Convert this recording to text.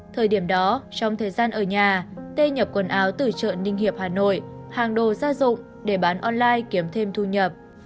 thời điểm đó trong thời gian ở nhà tê nhập quần áo từ chợ ninh hiệp hà nội hàng đồ gia dụng để bán online kiếm thêm thu nhập